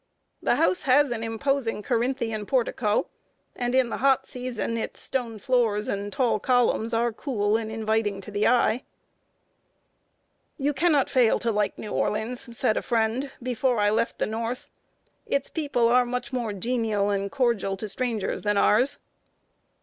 The house has an imposing Corinthian portico, and in the hot season its stone floors and tall columns are cool and inviting to the eye. [Sidenote: HOSPITALITY OF A STRANGER.] "You can not fail to like New Orleans," said a friend, before I left the North. "Its people are much more genial and cordial to strangers than ours."